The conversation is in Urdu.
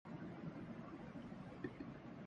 پلیز کوئی ٹریفک قانون کو مت توڑئے گا